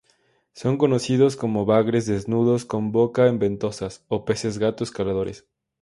Son conocidos como "bagres desnudos con boca en ventosas"" o "peces gato escaladores".